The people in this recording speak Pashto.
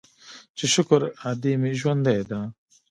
چې شکر ادې مې ژوندۍ ده.